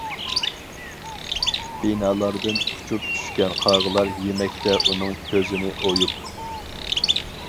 بىنالاردىن ئۇچۇپ چۈشكەن قاغىلار يېمەكتە ئۇنىڭ كۆزىنى ئويۇپ.